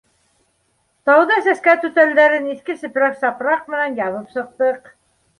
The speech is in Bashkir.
Тәүҙә сәскә түтәлдәрен иҫке сепрәк-сапраҡ менән ябып сыҡтыҡ.